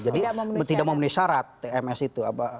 jadi tidak memenuhi syarat tms itu